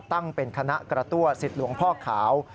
ตั้งเป็นคณะกระตั้วสิทธิ์หลวงพ่อขาว